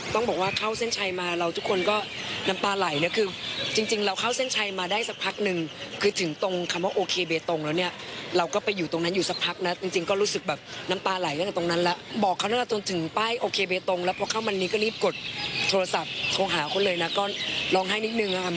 ต้องบอกว่าเข้าเส้นชัยมาเราทุกคนก็น้ำตาไหลนะคือจริงเราเข้าเส้นชัยมาได้สักพักนึงคือถึงตรงคำว่าโอเคเบตงแล้วเนี่ยเราก็ไปอยู่ตรงนั้นอยู่สักพักนะจริงก็รู้สึกแบบน้ำตาไหลตั้งแต่ตรงนั้นแล้วบอกเขาตั้งแต่จนถึงป้ายโอเคเบตงแล้วพอเข้ามานี้ก็รีบกดโทรศัพท์โทรหาเขาเลยนะก็ร้องไห้นิดนึงค่ะ